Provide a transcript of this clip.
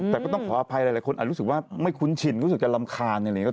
แต่ก็ต้องขออภัยหลายคนอาจรู้สึกว่าไม่คุ้นชินรู้สึกจะรำคาญอะไรอย่างนี้